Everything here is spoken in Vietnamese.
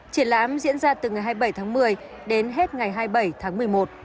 triển lãm diễn ra từ ngày hai mươi bảy tháng một mươi đến hết ngày hai mươi bảy tháng một mươi một